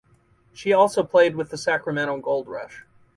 She also played with the Sacramento Gold Rush.